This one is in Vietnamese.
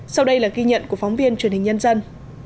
sau đây là ghi nhận của phóng viên truyền hình nhân dân